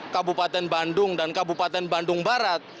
kabupaten bandung dan kabupaten bandung barat